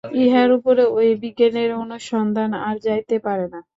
ইহার উপরে ঐ বিজ্ঞানের অনুসন্ধান আর যাইতে পারে না।